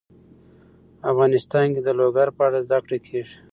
افغانستان کې د لوگر په اړه زده کړه کېږي.